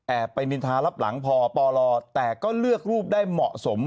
ไปนินทารับหลังพอปลแต่ก็เลือกรูปได้เหมาะสม